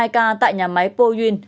bảy mươi hai ca tại nhà máy poyuin